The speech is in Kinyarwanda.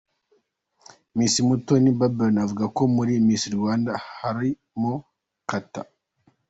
Miss Mutoni Balbine avuga ko muri Miss Rwanda harimo Kata.